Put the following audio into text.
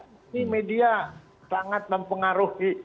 ini media sangat mempengaruhi